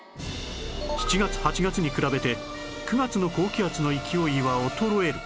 ７月８月に比べて９月の高気圧の勢いは衰える